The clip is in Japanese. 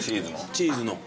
チーズの。